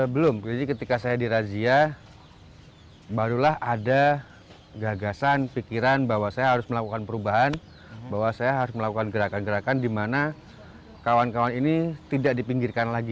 belum jadi ketika saya dirazia barulah ada gagasan pikiran bahwa saya harus melakukan perubahan bahwa saya harus melakukan gerakan gerakan di mana kawan kawan ini tidak dipinggirkan lagi